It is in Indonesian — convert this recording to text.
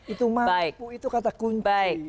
itu mampu itu kata kunci